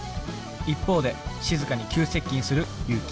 一方でしずかに急接近する祐樹。